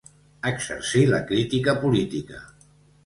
Exercí la crítica política.